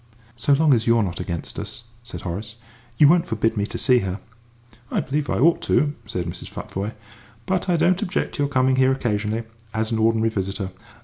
"So long as you are not against us," said Horace, "you won't forbid me to see her?" "I believe I ought to," said Mrs. Futvoye; "but I don't object to your coming here occasionally, as an ordinary visitor.